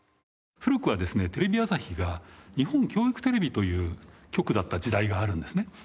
古くはですねテレビ朝日が日本教育テレビという局だった時代があるんですね。